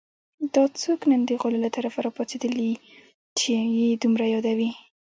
دا څوک نن د غولو له طرفه راپاڅېدلي چې یې دومره یادوي